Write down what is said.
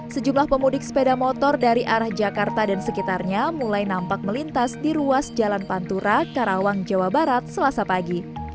sejumlah pemudik sepeda motor dari arah jakarta dan sekitarnya mulai nampak melintas di ruas jalan pantura karawang jawa barat selasa pagi